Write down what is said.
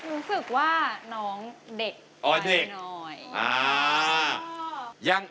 รู้สึกว่าน้องเด็กหมายหน่อย